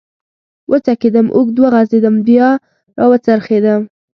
و څکېدم، اوږد وغځېدم، بیا را و څرخېدم.